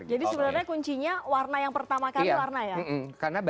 jadi sebenarnya kuncinya warna yang pertama kali warna ya